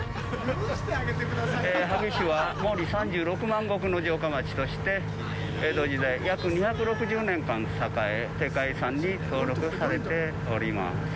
萩市は、毛利３６万石の城下町として、江戸時代、約２６０年間、栄え、世界遺産に登録されております。